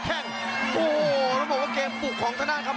ตังคุกจากท่าน